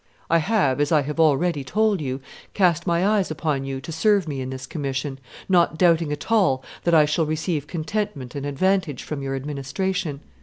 I have, as I have already told you, cast my eyes upon you to serve me in this commission, not doubting at all that I shall receive contentment and advantage from your administration.